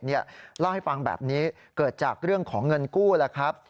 เล่าให้ฟังแบบนี้เกิดจากเรื่องของเงินกู้แล้วครับ